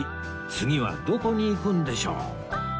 次はどこに行くんでしょう？